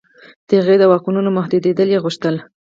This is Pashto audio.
د هغې د واکونو محدودېدل یې غوښتل.